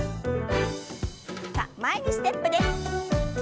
さあ前にステップです。